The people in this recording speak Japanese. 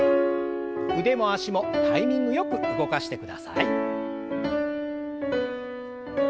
腕も脚もタイミングよく動かしてください。